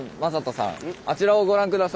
あちらをご覧下さい。